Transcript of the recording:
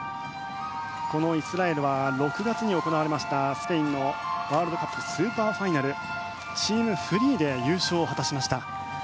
イスラエルは６月に行われましたスペインのワールドカップスーパーファイナルチームフリーで優勝を果たしました。